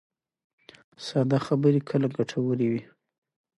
ساده خبرې کله ګټورې وي.